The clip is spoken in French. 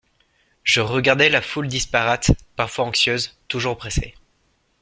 Je regardais la foule disparate, parfois anxieuse, toujours pressée.